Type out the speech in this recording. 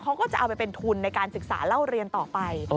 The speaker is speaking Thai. เขาก็จะเอาไปเป็นทุนในการศึกษาเล่าเรียนต่อไป